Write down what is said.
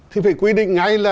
thì phải quy định ngay là